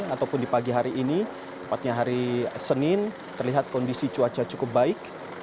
ataupun di pagi hari ini tepatnya hari senin terlihat kondisi cuaca cukup baik